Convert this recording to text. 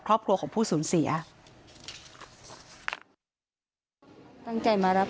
ท่านผู้ชมครับ